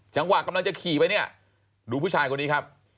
จังหวะกำลังจะขี่ไปเนี่ยดูผู้ชายคนนี้ครับ